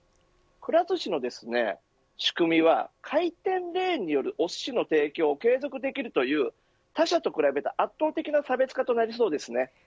くら寿司の仕組みは回転レーンによるおすしの提供を継続できるという他社と比べた圧倒的な差別化となりそうですね。